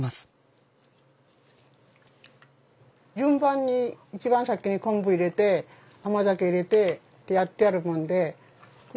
順番に一番先に昆布入れて甘酒入れてってやってあるもんでこれを混ぜないと。